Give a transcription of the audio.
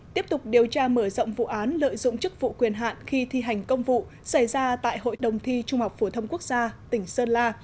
tiếp tục điều tra mở rộng vụ án lợi dụng chức vụ quyền hạn khi thi hành công vụ xảy ra tại hội đồng thi trung học phổ thông quốc gia tỉnh sơn la